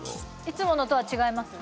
いつものとは違います？